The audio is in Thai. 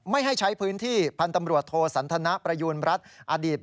ไม่ให้ใช้พื้นที่พันธ์ตำรวจโทสันทนประยูณรัฐอดีต